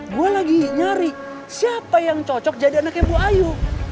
gue lagi nyari siapa yang cocok jadi anaknya bu ayu